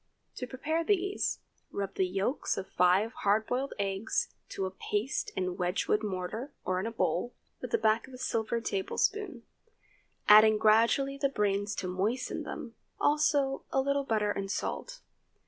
To prepare these, rub the yolks of five hard boiled eggs to a paste in a Wedgewood mortar, or in a bowl, with the back of a silver tablespoon, adding gradually the brains to moisten them, also a little butter and salt.